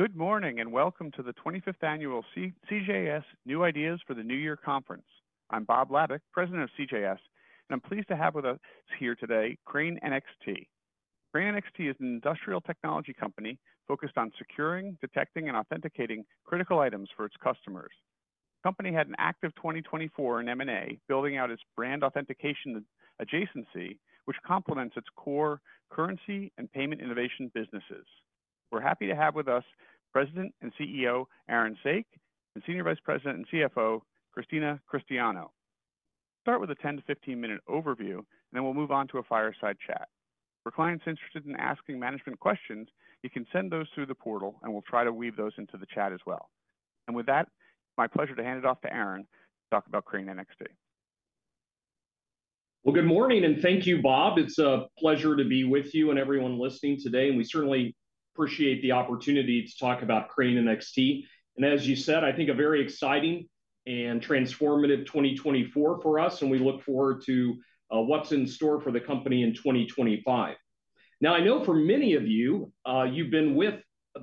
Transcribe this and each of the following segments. Good morning and welcome to the 25th Annual CJS New Ideas for the New Year Conference. I'm Bob Labick, President of CJS, and I'm pleased to have with us here today Crane NXT. Crane NXT is an industrial technology company focused on securing, detecting, and authenticating critical items for its customers. The company had an active 2024 in M&A, building out its brand authentication adjacency, which complements its core currency and payment innovation businesses. We're happy to have with us President and CEO Aaron Saak and Senior Vice President and CFO Christina Cristiano. We'll start with a 10- to 15-minute overview, and then we'll move on to a fireside chat. For clients interested in asking management questions, you can send those through the portal, and we'll try to weave those into the chat as well. With that, it's my pleasure to hand it off to Aaron to talk about Crane NXT. Good morning and thank you, Bob. It's a pleasure to be with you and everyone listening today, and we certainly appreciate the opportunity to talk about Crane NXT and as you said, I think a very exciting and transformative 2024 for us, and we look forward to what's in store for the company in 2025. Now, I know for many of you, you've been with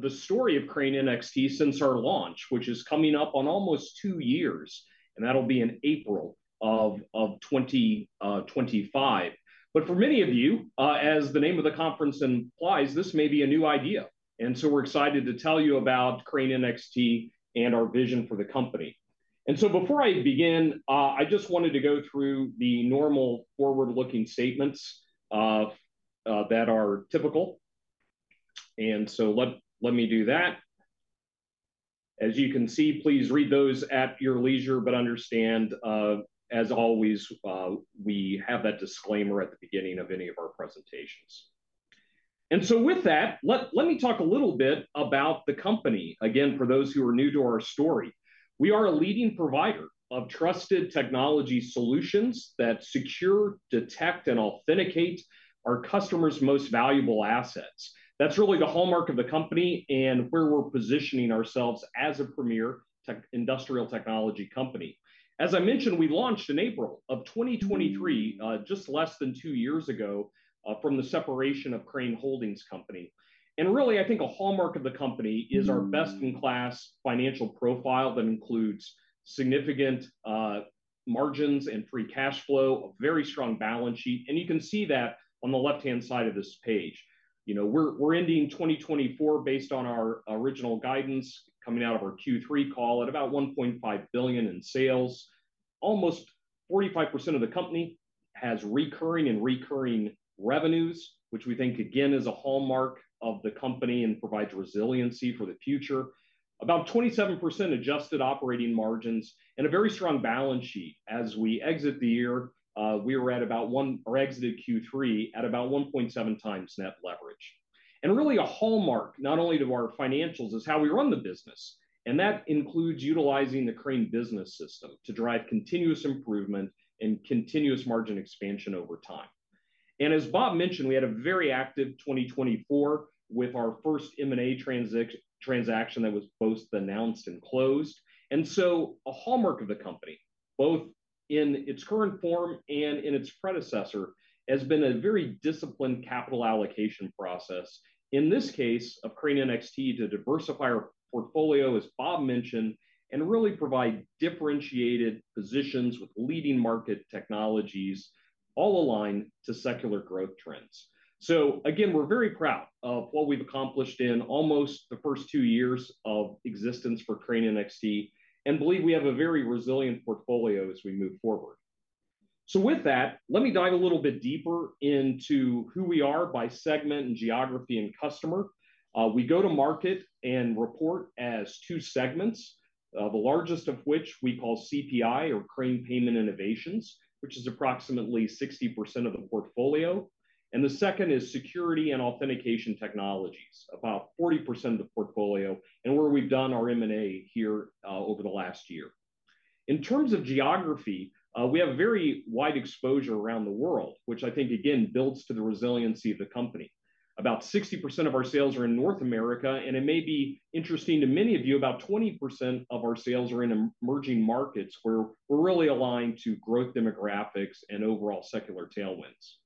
the story of Crane NXT since our launch, which is coming up on almost two years, and that'll be in April of 2025, but for many of you, as the name of the conference implies, this may be a new idea, and so we're excited to tell you about Crane NXT and our vision for the company, and so before I begin, I just wanted to go through the normal forward-looking statements that are typical, and so let me do that. As you can see, please read those at your leisure, but understand, as always, we have that disclaimer at the beginning of any of our presentations. And so with that, let me talk a little bit about the company. Again, for those who are new to our story, we are a leading provider of trusted technology solutions that secure, detect, and authenticate our customers' most valuable assets. That's really the hallmark of the company and where we're positioning ourselves as a premier industrial technology company. As I mentioned, we launched in April of 2023, just less than two years ago from the separation of Crane Holdings Company. And really, I think a hallmark of the company is our best-in-class financial profile that includes significant margins and free cash flow, a very strong balance sheet, and you can see that on the left-hand side of this page. You know, we're ending 2024 based on our original guidance coming out of our Q3 call at about $1.5 billion in sales. Almost 45% of the company has recurring revenues, which we think, again, is a hallmark of the company and provides resiliency for the future. About 27% adjusted operating margins and a very strong balance sheet. As we exit the year, we were at about one, or exited Q3 at about 1.7 times net leverage. Really, a hallmark not only of our financials is how we run the business, and that includes utilizing the Crane Business System to drive continuous improvement and continuous margin expansion over time. As Bob mentioned, we had a very active 2024 with our first M&A transaction that was both announced and closed. A hallmark of the company, both in its current form and in its predecessor, has been a very disciplined capital allocation process. In this case of Crane NXT to diversify our portfolio, as Bob mentioned, and really provide differentiated positions with leading market technologies all aligned to secular growth trends. So again, we're very proud of what we've accomplished in almost the first two years of existence for Crane NXT and believe we have a very resilient portfolio as we move forward. With that, let me dive a little bit deeper into who we are by segment and geography and customer. We go to market and report as two segments, the largest of which we call CPI or Crane Payment Innovations, which is approximately 60% of the portfolio. And the second is Security and Authentication Technologies, about 40% of the portfolio and where we've done our M&A here over the last year. In terms of geography, we have very wide exposure around the world, which I think, again, builds to the resiliency of the company. About 60% of our sales are in North America, and it may be interesting to many of you, about 20% of our sales are in emerging markets where we're really aligned to growth demographics and overall secular tailwinds.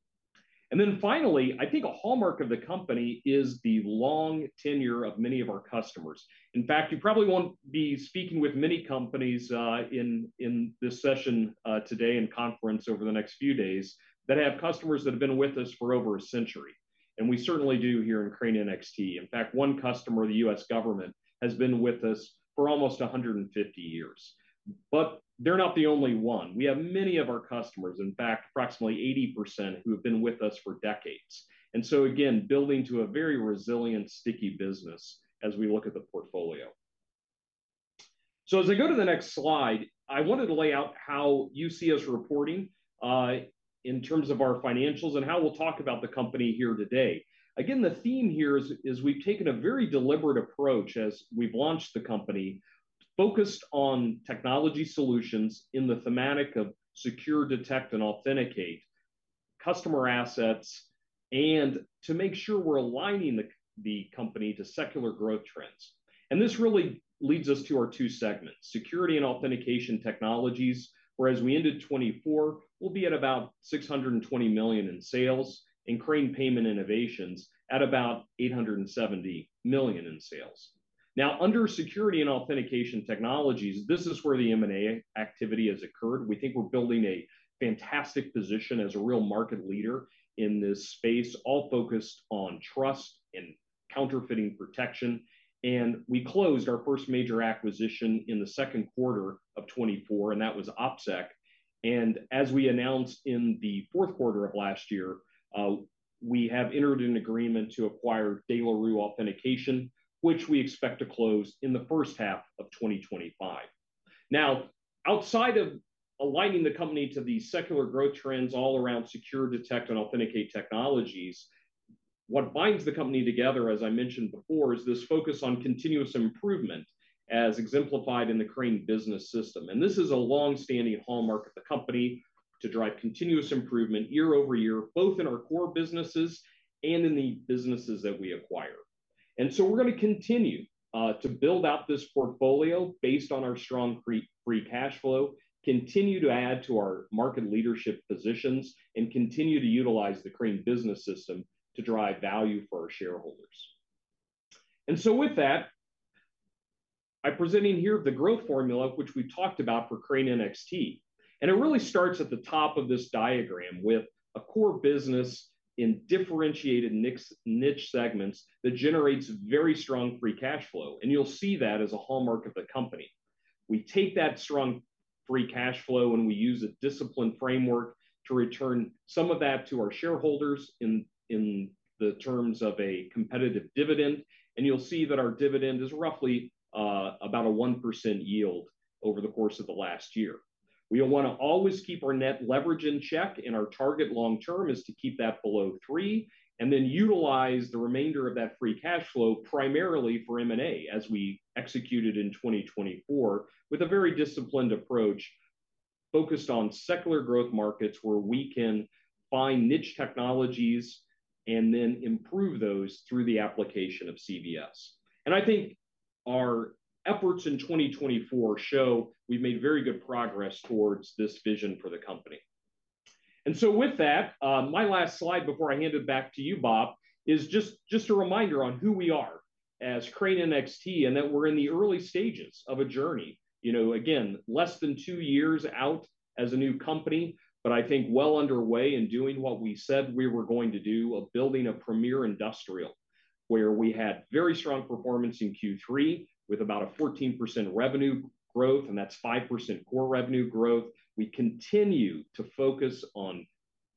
And then finally, I think a hallmark of the company is the long tenure of many of our customers. In fact, you probably won't be speaking with many companies in this session today and conference over the next few days that have customers that have been with us for over a century, and we certainly do here in Crane NXT. In fact, one customer, the U.S. Government, has been with us for almost 150 years, but they're not the only one. We have many of our customers, in fact, approximately 80% who have been with us for decades, and so again, building to a very resilient, sticky business as we look at the portfolio, so as I go to the next slide, I wanted to lay out how you see us reporting in terms of our financials and how we'll talk about the company here today. Again, the theme here is we've taken a very deliberate approach as we've launched the company, focused on technology solutions in the thematic of secure, detect, and authenticate customer assets and to make sure we're aligning the company to secular growth trends. And this really leads us to our two segments, Security and Authentication Technologies, whereas we ended 2024, we'll be at about $620 million in sales and Crane Payment Innovations at about $870 million in sales. Now, under Security and Authentication Technologies, this is where the M&A activity has occurred. We think we're building a fantastic position as a real market leader in this space, all focused on trust and counterfeiting protection. And we closed our first major acquisition in the second quarter of 2024, and that was OpSec. And as we announced in the fourth quarter of last year, we have entered an agreement to acquire De La Rue Authentication, which we expect to close in the first half of 2025. Now, outside of aligning the company to the secular growth trends all around secure, detect, and authenticate technologies, what binds the company together, as I mentioned before, is this focus on continuous improvement as exemplified in the Crane Business System. And this is a longstanding hallmark of the company to drive continuous improvement year over year, both in our core businesses and in the businesses that we acquire. And so we're going to continue to build out this portfolio based on our strong free cash flow, continue to add to our market leadership positions, and continue to utilize the Crane Business System to drive value for our shareholders. And so with that, I'm presenting here the growth formula, which we've talked about for Crane NXT. And it really starts at the top of this diagram with a core business in differentiated niche segments that generates very strong free cash flow. You'll see that as a hallmark of the company. We take that strong free cash flow and we use a disciplined framework to return some of that to our shareholders in the terms of a competitive dividend. You'll see that our dividend is roughly about a 1% yield over the course of the last year. We want to always keep our net leverage in check, and our target long-term is to keep that below three and then utilize the remainder of that free cash flow primarily for M&A as we executed in 2024 with a very disciplined approach focused on secular growth markets where we can find niche technologies and then improve those through the application of CBS. I think our efforts in 2024 show we've made very good progress towards this vision for the company. And so with that, my last slide before I hand it back to you, Bob, is just a reminder on who we are as Crane NXT and that we're in the early stages of a journey. You know, again, less than two years out as a new company, but I think well underway in doing what we said we were going to do of building a premier industrial where we had very strong performance in Q3 with about a 14% revenue growth, and that's 5% core revenue growth. We continue to focus on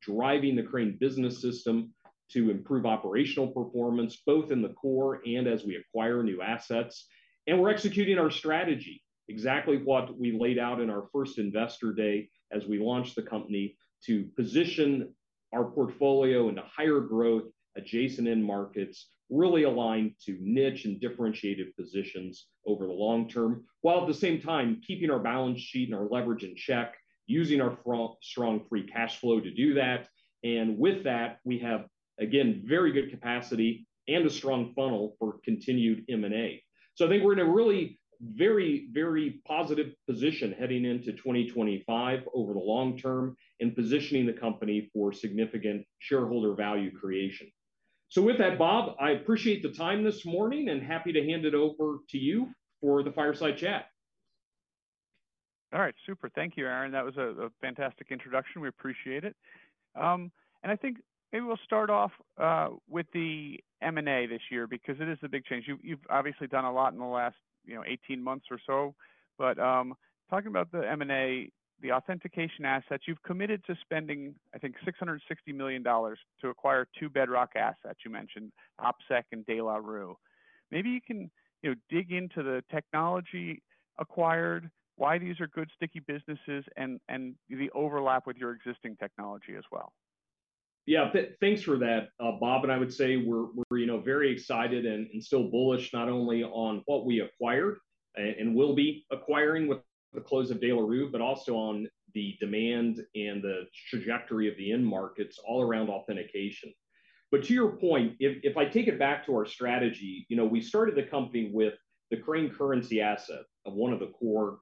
driving the Crane Business System to improve operational performance both in the core and as we acquire new assets. We're executing our strategy, exactly what we laid out in our first investor day as we launched the company to position our portfolio into higher growth adjacent end markets, really aligned to niche and differentiated positions over the long term, while at the same time keeping our balance sheet and our leverage in check, using our strong free cash flow to do that. With that, we have, again, very good capacity and a strong funnel for continued M&A. I think we're in a really very, very positive position heading into 2025 over the long term and positioning the company for significant shareholder value creation. With that, Bob, I appreciate the time this morning and happy to hand it over to you for the fireside chat. All right, super. Thank you, Aaron. That was a fantastic introduction. We appreciate it. And I think maybe we'll start off with the M&A this year because it is a big change. You've obviously done a lot in the last, you know, 18 months or so, but talking about the M&A, the authentication assets, you've committed to spending, I think, $660 million to acquire two bedrock assets you mentioned, OpSec and De La Rue. Maybe you can, you know, dig into the technology acquired, why these are good, sticky businesses, and the overlap with your existing technology as well. Yeah, thanks for that, Bob, and I would say we're, you know, very excited and still bullish not only on what we acquired and will be acquiring with the close of De La Rue, but also on the demand and the trajectory of the end markets all around authentication, but to your point, if I take it back to our strategy, you know, we started the company with the Crane Currency asset of one of the core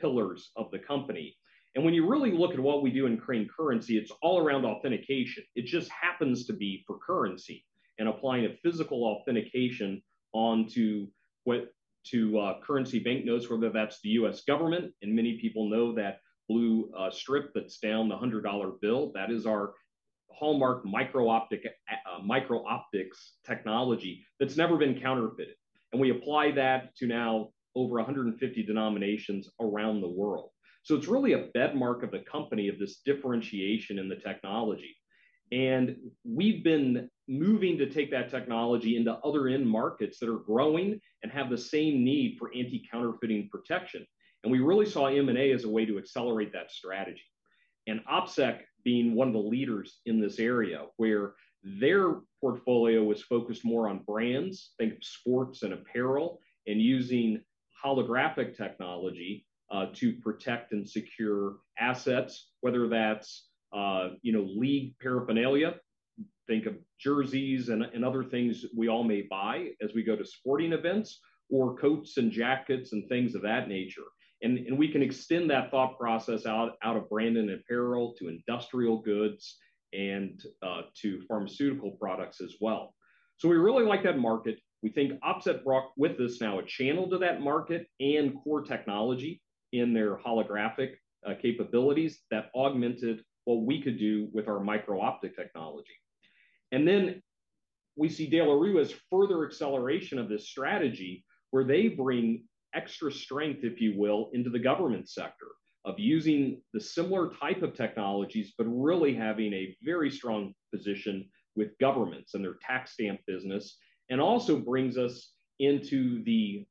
pillars of the company, and when you really look at what we do in Crane Currency, it's all around authentication. It just happens to be for currency and applying a physical authentication onto currency banknotes, whether that's the U.S. government, and many people know that blue strip that's down the $100 bill, that is our hallmark micro-optics technology that's never been counterfeited. And we apply that to now over 150 denominations around the world. It's really a bedrock of the company, of this differentiation in the technology. We've been moving to take that technology into other end markets that are growing and have the same need for anti-counterfeiting protection. We really saw M&A as a way to accelerate that strategy. OpSec being one of the leaders in this area where their portfolio was focused more on brands, think of sports and apparel, and using holographic technology to protect and secure assets, whether that's, you know, league paraphernalia, think of jerseys and other things we all may buy as we go to sporting events, or coats and jackets and things of that nature. We can extend that thought process out of brand and apparel to industrial goods and to pharmaceutical products as well. We really like that market. We think OpSec brought with us now a channel to that market and core technology in their holographic capabilities that augmented what we could do with our micro-optics technology. And then we see De La Rue as further acceleration of this strategy where they bring extra strength, if you will, into the government sector of using the similar type of technologies, but really having a very strong position with governments and their tax stamp business and also brings us into the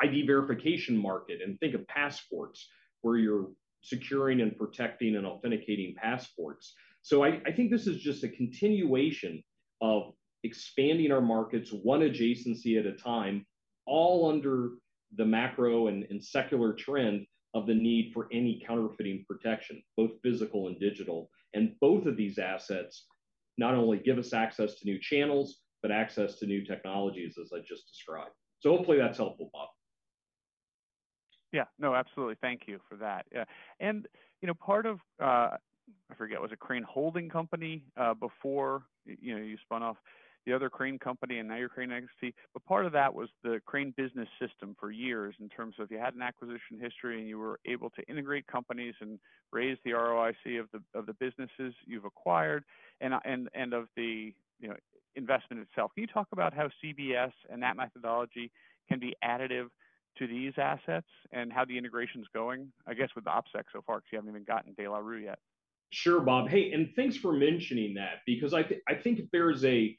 ID verification market. And think of passports where you're securing and protecting and authenticating passports. So I think this is just a continuation of expanding our markets, one adjacency at a time, all under the macro and secular trend of the need for any counterfeiting protection, both physical and digital. And both of these assets not only give us access to new channels, but access to new technologies, as I just described. So hopefully that's helpful, Bob. Yeah, no, absolutely. Thank you for that. And you know, part of, I forget, was it Crane Holdings Company before, you know, you spun off the other Crane company and now you're Crane NXT, but part of that was the Crane Business System for years in terms of you had an acquisition history and you were able to integrate companies and raise the ROIC of the businesses you've acquired and of the, you know, investment itself. Can you talk about how CBS and that methodology can be additive to these assets and how the integration's going, I guess, with OpSec so far because you haven't even gotten De La Rue yet? Sure, Bob. Hey, and thanks for mentioning that because I think there's a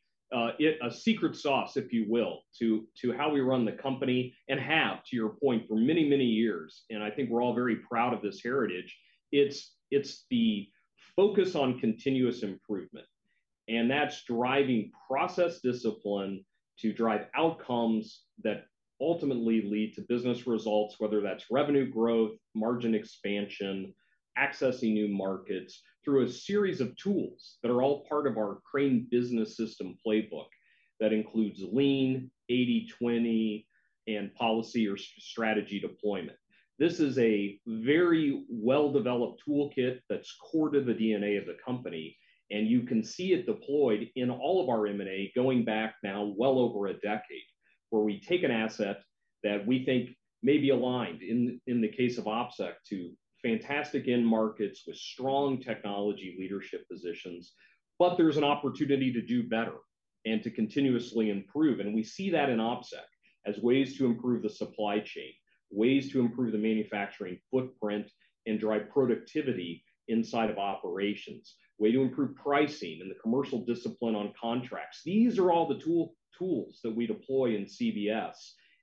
secret sauce, if you will, to how we run the company and have, to your point, for many, many years. And I think we're all very proud of this heritage. It's the focus on continuous improvement. And that's driving process discipline to drive outcomes that ultimately lead to business results, whether that's revenue growth, margin expansion, accessing new markets through a series of tools that are all part of our Crane Business System playbook that includes Lean, 80/20, and policy or strategy deployment. This is a very well-developed toolkit that's core to the DNA of the company. And you can see it deployed in all of our M&A going back now well over a decade where we take an asset that we think may be aligned in the case of OpSec to fantastic end markets with strong technology leadership positions, but there's an opportunity to do better and to continuously improve. And we see that in OpSec as ways to improve the supply chain, ways to improve the manufacturing footprint and drive productivity inside of operations, way to improve pricing and the commercial discipline on contracts. These are all the tools that we deploy in CBS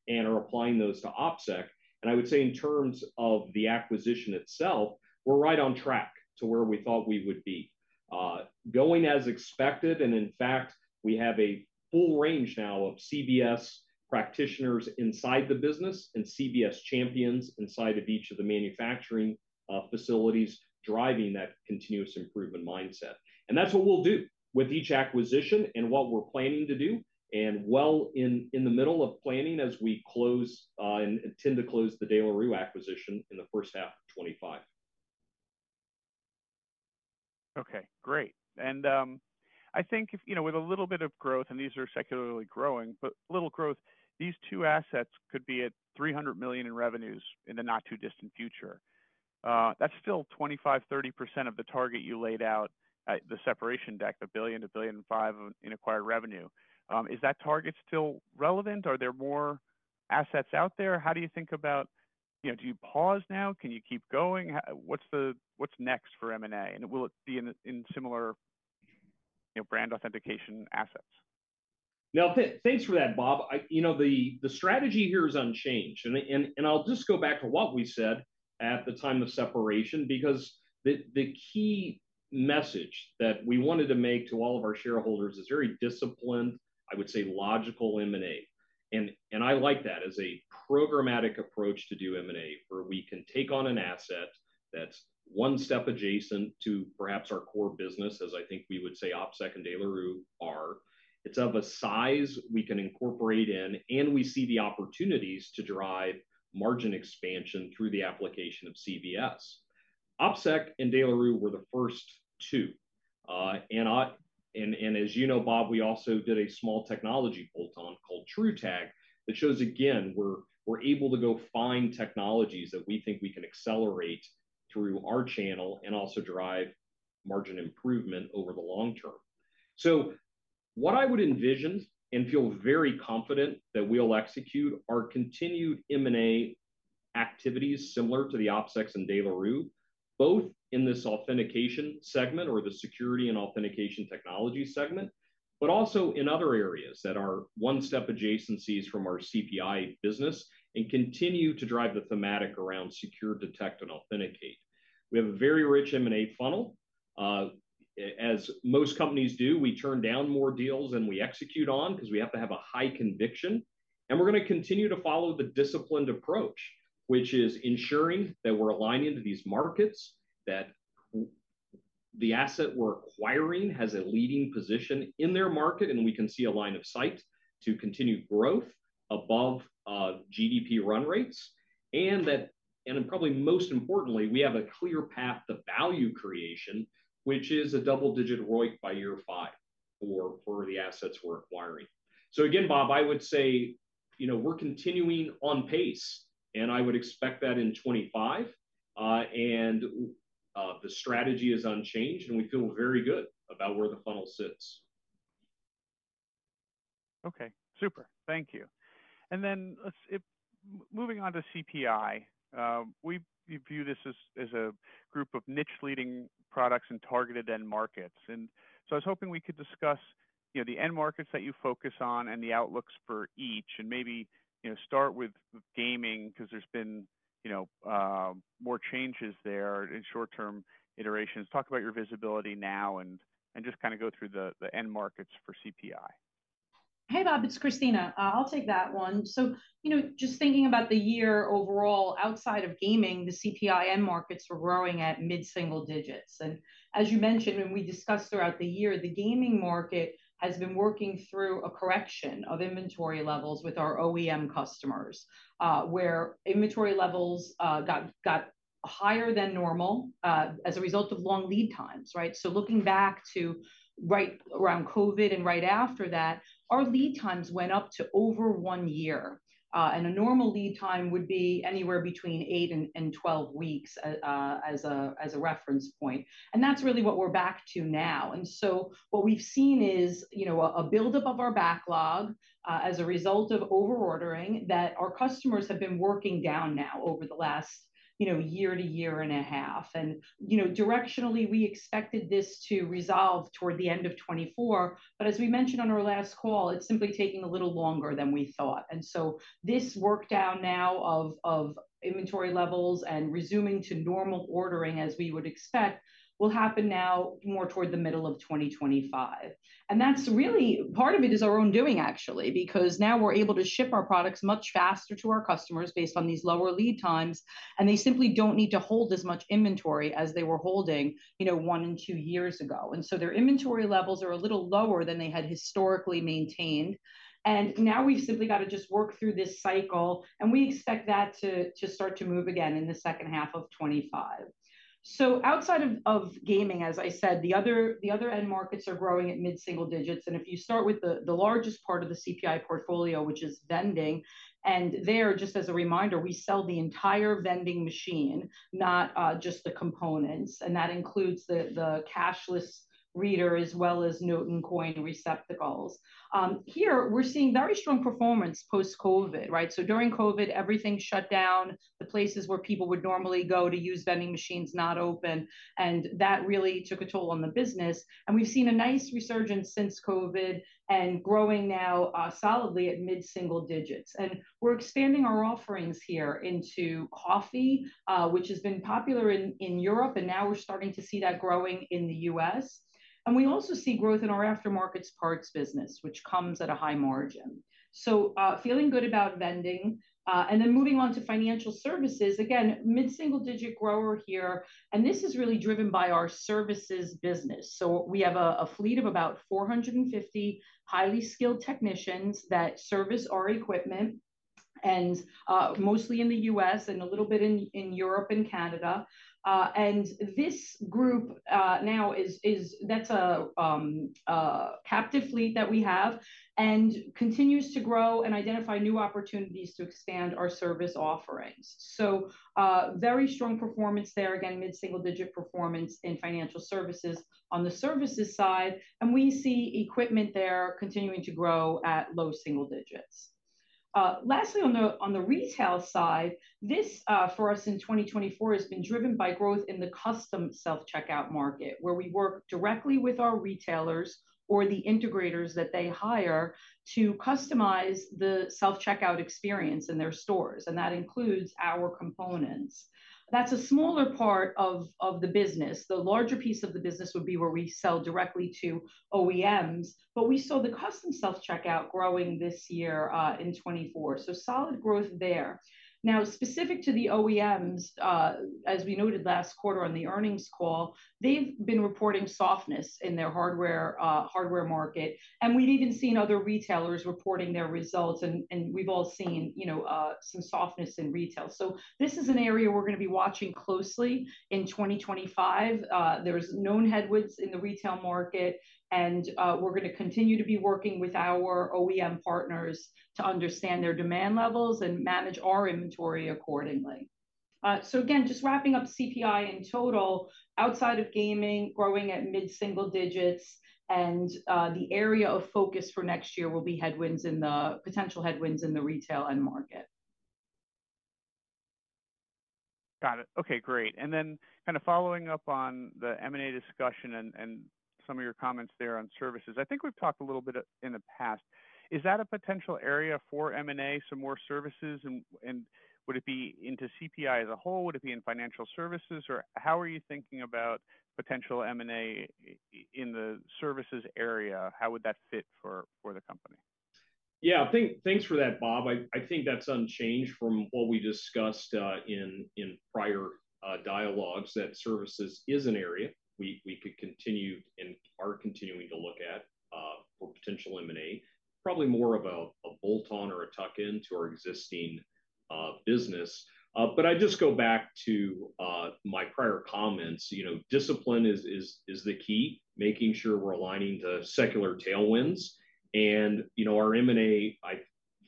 and are applying those to OpSec. And I would say in terms of the acquisition itself, we're right on track to where we thought we would be. Going as expected. In fact, we have a full range now of CBS practitioners inside the business and CBS champions inside of each of the manufacturing facilities driving that continuous improvement mindset. That's what we'll do with each acquisition and what we're planning to do and we're well in the middle of planning as we close and intend to close the De La Rue acquisition in the first half of 2025. Okay, great. And I think, you know, with a little bit of growth, and these are secularly growing, but little growth, these two assets could be at $300 million in revenues in the not too distant future. That's still 25%-30% of the target you laid out at the separation deck, $1 billion-$1.5 billion acquired revenue. Is that target still relevant? Are there more assets out there? How do you think about, you know, do you pause now? Can you keep going? What's the, what's next for M&A? And will it be in similar, you know, brand authentication assets? No, thanks for that, Bob. You know, the strategy here is unchanged. And I'll just go back to what we said at the time of separation because the key message that we wanted to make to all of our shareholders is very disciplined, I would say logical M&A. And I like that as a programmatic approach to do M&A where we can take on an asset that's one step adjacent to perhaps our core business, as I think we would say OpSec and De La Rue are. It's of a size we can incorporate in, and we see the opportunities to drive margin expansion through the application of CBS. OpSec and De La Rue were the first two. As you know, Bob, we also did a small technology bolt-on called TrueTag that shows, again, we're able to go find technologies that we think we can accelerate through our channel and also drive margin improvement over the long term. What I would envision and feel very confident that we'll execute are continued M&A activities similar to the OpSec and De La Rue, both in this authentication segment or the security and authentication technology segment, but also in other areas that are one step adjacencies from our CPI business and continue to drive the thematic around secure, detect, and authenticate. We have a very rich M&A funnel. As most companies do, we turn down more deals than we execute on because we have to have a high conviction. We're going to continue to follow the disciplined approach, which is ensuring that we're aligning to these markets, that the asset we're acquiring has a leading position in their market, and we can see a line of sight to continue growth above GDP run rates. That, and probably most importantly, we have a clear path to value creation, which is a double-digit ROIC by year five for the assets we're acquiring. Again, Bob, I would say, you know, we're continuing on pace, and I would expect that in 2025. The strategy is unchanged, and we feel very good about where the funnel sits. Okay, super. Thank you. And then moving on to CPI, we view this as a group of niche leading products and targeted end markets. And so I was hoping we could discuss, you know, the end markets that you focus on and the outlooks for each, and maybe, you know, start with gaming because there's been, you know, more changes there in short-term iterations. Talk about your visibility now and just kind of go through the end markets for CPI. Hey, Bob, it's Christina. I'll take that one, so you know, just thinking about the year overall, outside of gaming, the CPI end markets were growing at mid-single digits, and as you mentioned, when we discussed throughout the year, the gaming market has been working through a correction of inventory levels with our OEM customers, where inventory levels got higher than normal as a result of long lead times, right, so looking back to right around COVID and right after that, our lead times went up to over one year, and a normal lead time would be anywhere between eight and twelve weeks as a reference point, and that's really what we're back to now. And so what we've seen is, you know, a buildup of our backlog as a result of overordering that our customers have been working down now over the last, you know, year to year and a half. And, you know, directionally, we expected this to resolve toward the end of 2024, but as we mentioned on our last call, it's simply taking a little longer than we thought. And so this work down now of inventory levels and resuming to normal ordering as we would expect will happen now more toward the middle of 2025. And that's really part of it is our own doing, actually, because now we're able to ship our products much faster to our customers based on these lower lead times, and they simply don't need to hold as much inventory as they were holding, you know, one and two years ago. And so their inventory levels are a little lower than they had historically maintained. And now we've simply got to just work through this cycle, and we expect that to start to move again in the second half of 2025. So outside of gaming, as I said, the other end markets are growing at mid-single digits. And if you start with the largest part of the CPI portfolio, which is vending, and there, just as a reminder, we sell the entire vending machine, not just the components. And that includes the cashless reader as well as note and coin receptacles. Here, we're seeing very strong performance post-COVID, right? So during COVID, everything shut down. The places where people would normally go to use vending machines not open. And that really took a toll on the business. And we've seen a nice resurgence since COVID and growing now solidly at mid-single digits. And we're expanding our offerings here into coffee, which has been popular in Europe, and now we're starting to see that growing in the U.S. And we also see growth in our aftermarket parts business, which comes at a high margin. So feeling good about vending. And then moving on to financial services, again, mid-single digit grower here. And this is really driven by our services business. So we have a fleet of about 450 highly skilled technicians that service our equipment, and mostly in the U.S. and a little bit in Europe and Canada. And this group now is, that's a captive fleet that we have and continues to grow and identify new opportunities to expand our service offerings. So very strong performance there, again, mid-single digit performance in financial services on the services side. And we see equipment there continuing to grow at low single digits. Lastly, on the retail side, this for us in 2024 has been driven by growth in the custom self-checkout market, where we work directly with our retailers or the integrators that they hire to customize the self-checkout experience in their stores. And that includes our components. That's a smaller part of the business. The larger piece of the business would be where we sell directly to OEMs, but we saw the custom self-checkout growing this year in 2024. So solid growth there. Now, specific to the OEMs, as we noted last quarter on the earnings call, they've been reporting softness in their hardware market. And we've even seen other retailers reporting their results. And we've all seen, you know, some softness in retail. So this is an area we're going to be watching closely in 2025. There's known headwinds in the retail market. And we're going to continue to be working with our OEM partners to understand their demand levels and manage our inventory accordingly. So again, just wrapping up CPI in total, outside of gaming, growing at mid-single digits. And the area of focus for next year will be headwinds in the potential headwinds in the retail end market. Got it. Okay, great. And then kind of following up on the M&A discussion and some of your comments there on services, I think we've talked a little bit in the past. Is that a potential area for M&A, some more services? And would it be into CPI as a whole? Would it be in financial services? Or how are you thinking about potential M&A in the services area? How would that fit for the company? Yeah, thanks for that, Bob. I think that's unchanged from what we discussed in prior dialogues that services is an area we could continue and are continuing to look at for potential M&A, probably more of a bolt-on or a tuck-in to our existing business. But I just go back to my prior comments, you know, discipline is the key, making sure we're aligning to secular tailwinds, and, you know, our M&A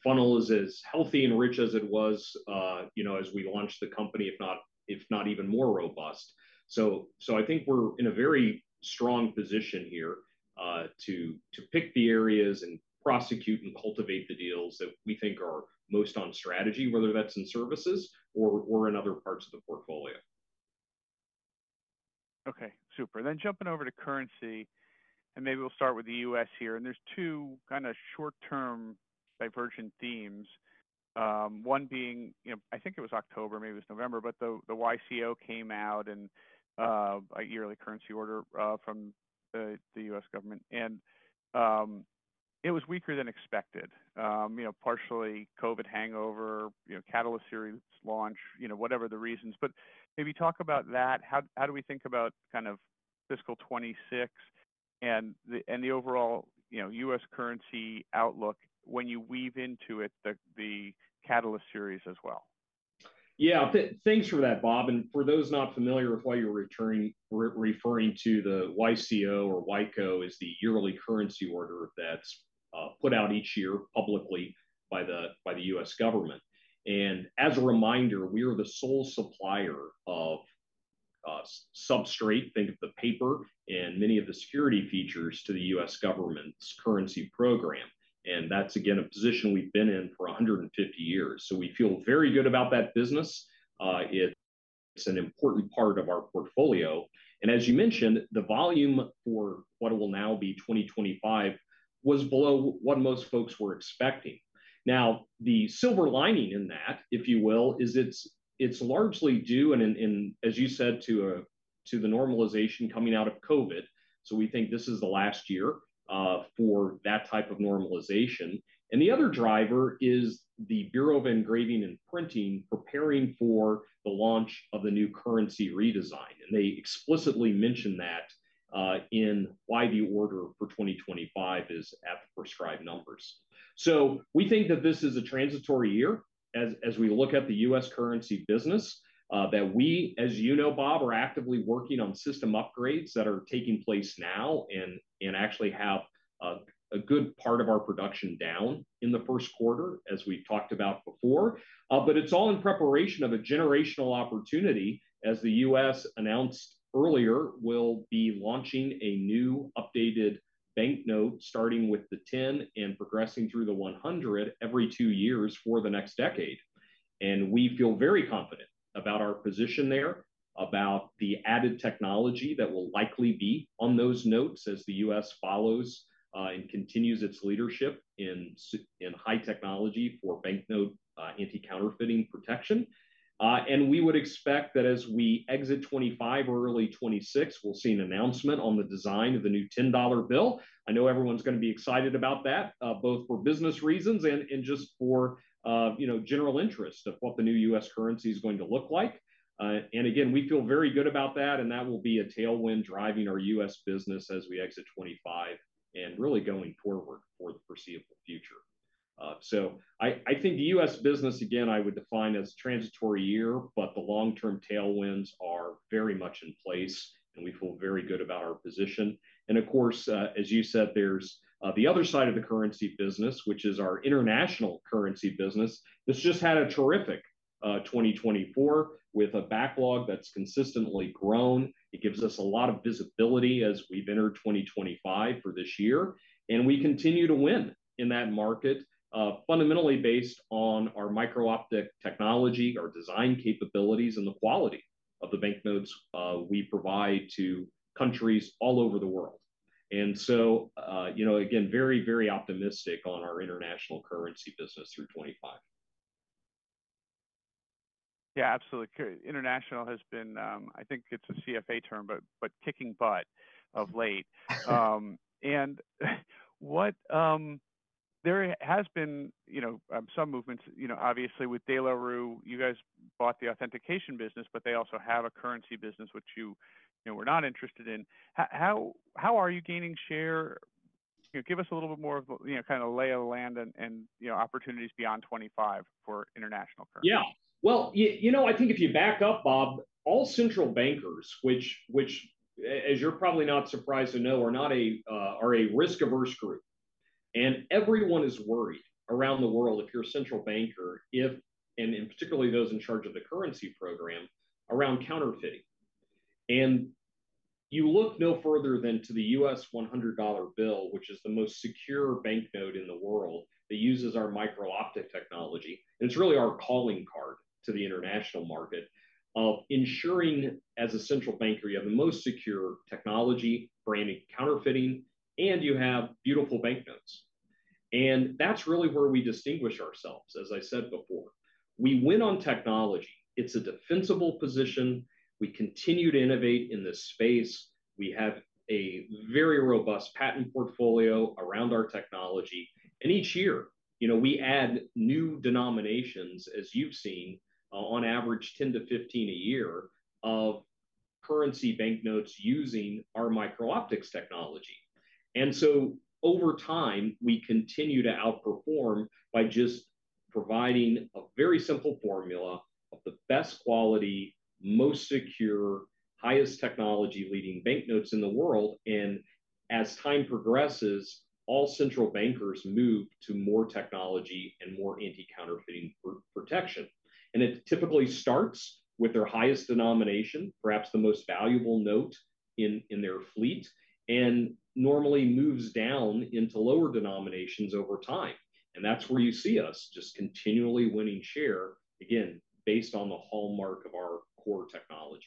funnel is as healthy and rich as it was, you know, as we launched the company, if not even more robust, so I think we're in a very strong position here to pick the areas and prosecute and cultivate the deals that we think are most on strategy, whether that's in services or in other parts of the portfolio. Okay, super. Then jumping over to currency, and maybe we'll start with the U.S. here. And there's two kind of short-term divergent themes. One being, you know, I think it was October, maybe it was November, but the YCO came out and a yearly currency order from the U.S. government. And it was weaker than expected, you know, partially COVID hangover, you know, Catalyst Series launch, you know, whatever the reasons. But maybe talk about that. How do we think about kind of fiscal 2026 and the overall, you know, U.S. currency outlook when you weave into it the Catalyst Series as well? Yeah, thanks for that, Bob. And for those not familiar with why you're referring to the YCO or YCO is the yearly currency order that's put out each year publicly by the U.S. government. And as a reminder, we are the sole supplier of substrate, think of the paper and many of the security features to the U.S. government's currency program. And that's, again, a position we've been in for 150 years. So we feel very good about that business. It's an important part of our portfolio. And as you mentioned, the volume for what will now be 2025 was below what most folks were expecting. Now, the silver lining in that, if you will, is it's largely due, and as you said, to the normalization coming out of COVID. So we think this is the last year for that type of normalization. The other driver is the Bureau of Engraving and Printing preparing for the launch of the new currency redesign. They explicitly mentioned that in why the order for 2025 is at the prescribed numbers. We think that this is a transitory year as we look at the U.S. currency business, that we, as you know, Bob, are actively working on system upgrades that are taking place now and actually have a good part of our production down in the first quarter, as we've talked about before. It's all in preparation of a generational opportunity, as the U.S. announced earlier, will be launching a new updated bank note starting with the 10 and progressing through the 100 every two years for the next decade. And we feel very confident about our position there, about the added technology that will likely be on those notes as the U.S. follows and continues its leadership in high technology for bank note anti-counterfeiting protection. And we would expect that as we exit 2025 or early 2026, we'll see an announcement on the design of the new $10 bill. I know everyone's going to be excited about that, both for business reasons and just for, you know, general interest of what the new U.S. currency is going to look like. And again, we feel very good about that. And that will be a tailwind driving our U.S. business as we exit 2025 and really going forward for the foreseeable future. So I think the U.S. business, again, I would define as transitory year, but the long-term tailwinds are very much in place. And we feel very good about our position. And of course, as you said, there's the other side of the currency business, which is our international currency business. This just had a terrific 2024 with a backlog that's consistently grown. It gives us a lot of visibility as we've entered 2025 for this year. And we continue to win in that market, fundamentally based on our micro-optics technology, our design capabilities, and the quality of the bank notes we provide to countries all over the world. And so, you know, again, very, very optimistic on our international currency business through 2025. Yeah, absolutely. International has been, I think it's a CFA term, but kicking butt of late, and there has been, you know, some movements, you know, obviously with De La Rue you guys bought the authentication business, but they also have a currency business, which you, you know, were not interested in. How are you gaining share? You know, give us a little bit more of, you know, kind of lay of the land and, you know, opportunities beyond 2025 for international currency. Yeah. Well, you know, I think if you back up, Bob, all central bankers, which, as you're probably not surprised to know, are not a risk-averse group. And everyone is worried around the world, if you're a central banker, and particularly those in charge of the currency program, around counterfeiting. And you look no further than to the U.S. $100 bill, which is the most secure bank note in the world that uses our micro-optics technology. And it's really our calling card to the international market of ensuring as a central banker, you have the most secure technology for anti-counterfeiting, and you have beautiful bank notes. And that's really where we distinguish ourselves, as I said before. We win on technology. It's a defensible position. We continue to innovate in this space. We have a very robust patent portfolio around our technology. And each year, you know, we add new denominations, as you've seen, on average 10-15 a year of currency bank notes using our micro-optics technology. And so over time, we continue to outperform by just providing a very simple formula of the best quality, most secure, highest technology leading bank notes in the world. And as time progresses, all central bankers move to more technology and more anti-counterfeiting protection. And it typically starts with their highest denomination, perhaps the most valuable note in their fleet, and normally moves down into lower denominations over time. And that's where you see us just continually winning share, again, based on the hallmark of our core technology.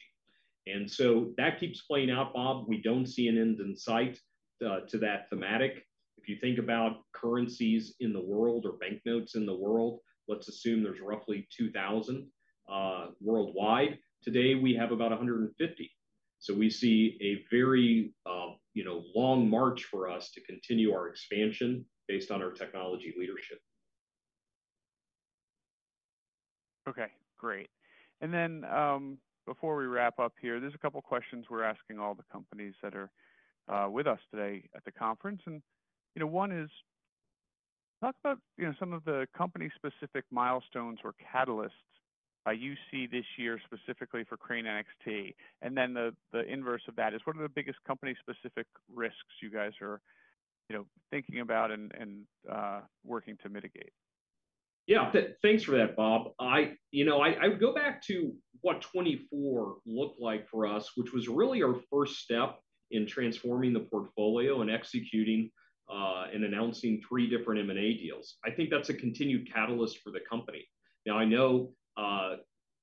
And so that keeps playing out, Bob. We don't see an end in sight to that thematic. If you think about currencies in the world or bank notes in the world, let's assume there's roughly 2,000 worldwide. Today, we have about 150. So we see a very, you know, long march for us to continue our expansion based on our technology leadership. Okay, great. And then before we wrap up here, there's a couple of questions we're asking all the companies that are with us today at the conference. And, you know, one is talk about, you know, some of the company-specific milestones or catalysts you see this year specifically for Crane NXT. And then the inverse of that is what are the biggest company-specific risks you guys are, you know, thinking about and working to mitigate? Yeah, thanks for that, Bob. I, you know, I would go back to what 2024 looked like for us, which was really our first step in transforming the portfolio and executing and announcing three different M&A deals. I think that's a continued catalyst for the company. Now, I know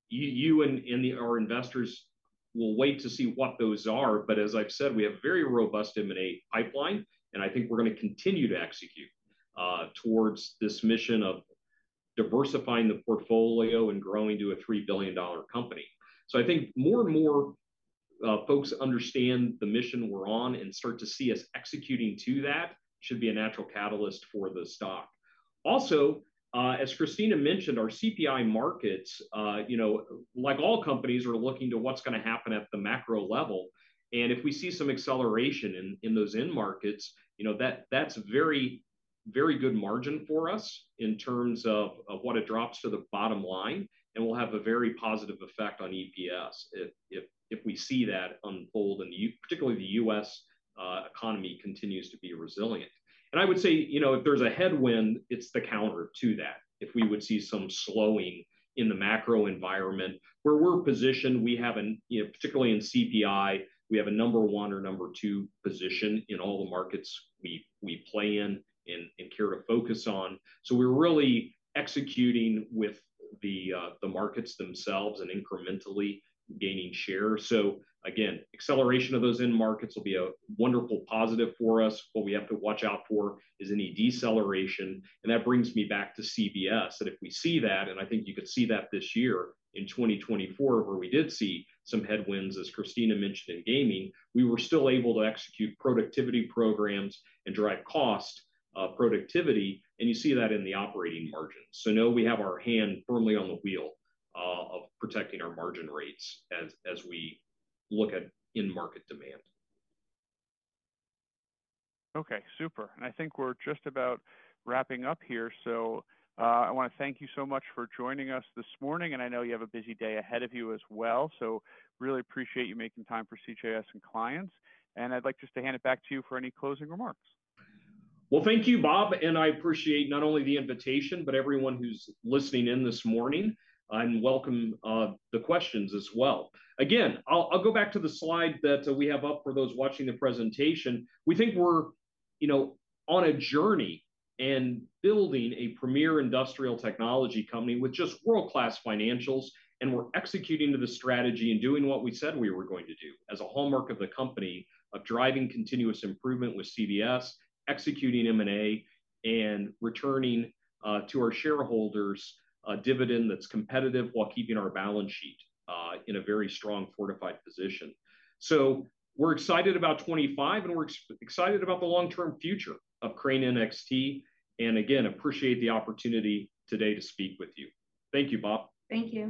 you and our investors will wait to see what those are, but as I've said, we have a very robust M&A pipeline. And I think we're going to continue to execute towards this mission of diversifying the portfolio and growing to a $3 billion company. So I think more and more folks understand the mission we're on and start to see us executing to that should be a natural catalyst for the stock. Also, as Christina mentioned, our CPI markets, you know, like all companies are looking to what's going to happen at the macro level. If we see some acceleration in those end markets, you know, that's very, very good margin for us in terms of what it drops to the bottom line. We'll have a very positive effect on EPS if we see that unfold and particularly the U.S. economy continues to be resilient. I would say, you know, if there's a headwind, it's the counter to that. If we would see some slowing in the macro environment where we're positioned, we have a, you know, particularly in CPI, we have a number one or number two position in all the markets we play in and care to focus on. We're really executing with the markets themselves and incrementally gaining share. Again, acceleration of those end markets will be a wonderful positive for us. What we have to watch out for is any deceleration. And that brings me back to CBS. And if we see that, and I think you could see that this year in 2024, where we did see some headwinds, as Christina mentioned in gaming, we were still able to execute productivity programs and drive cost productivity. And you see that in the operating margins. So no, we have our hand firmly on the wheel of protecting our margin rates as we look at in-market demand. Okay, super. And I think we're just about wrapping up here. So I want to thank you so much for joining us this morning. And I know you have a busy day ahead of you as well. So really appreciate you making time for CJS and clients. And I'd like just to hand it back to you for any closing remarks. Thank you, Bob. I appreciate not only the invitation, but everyone who's listening in this morning. Welcome the questions as well. Again, I'll go back to the slide that we have up for those watching the presentation. We think we're, you know, on a journey and building a premier industrial technology company with just world-class financials. We're executing to the strategy and doing what we said we were going to do as a hallmark of the company of driving continuous improvement with CBS, executing M&A, and returning to our shareholders a dividend that's competitive while keeping our balance sheet in a very strong fortified position. We're excited about 2025 and we're excited about the long-term future of Crane NXT. Again, appreciate the opportunity today to speak with you. Thank you, Bob. Thank you.